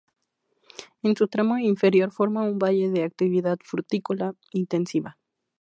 En su tramo inferior forma un valle de actividad frutícola intensiva.